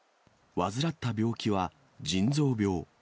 患った病気は腎臓病。